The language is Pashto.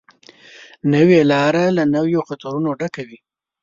نوې لاره له نویو خطرونو ډکه وي